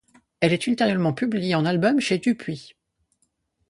Elle est ultérieurement publiée en album chez Dupuis.